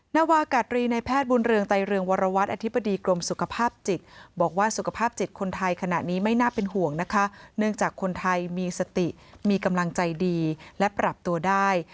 เนื่องจากคนไทยมีสติมีกำลังใจดีและปรับตัวได้